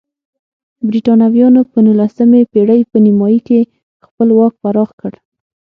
برېټانویانو په نولسمې پېړۍ په نیمایي کې خپل واک پراخ کړ.